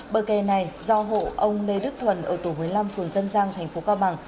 bờ kẻ này do hộ ông lê đức thuần ở tổ huyện năm phường tân giang thành phố cao bằng